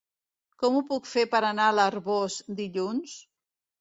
Com ho puc fer per anar a l'Arboç dilluns?